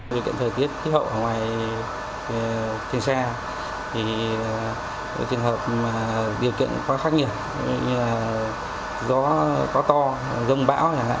điều kiện thời tiết khí hậu ở ngoài trên xe thì ở trường hợp điều kiện khá khắc nghiệt như gió quá to giông bão